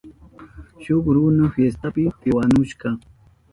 Shuk runa fiestapi piwanushka.